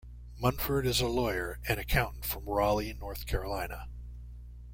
Munford is a lawyer and accountant from Raleigh, North Carolina.